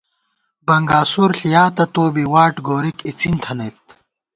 بنگاسُور ݪِیاتہ تو بی، واٹ گورِک اِڅِن تھنَئیت